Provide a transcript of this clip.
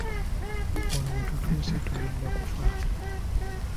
Wano we tutuuse tugenda kufa.